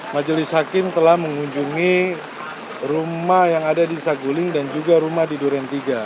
majelis hakim telah mengunjungi rumah yang ada di saguling dan juga rumah di duren tiga